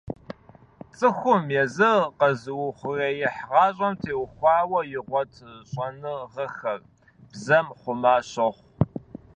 ЦӀыхур езыр къэзыухъуреихь гъащӀэм теухуауэ игъуэт щӀэныгъэхэр бзэм хъума щохъу.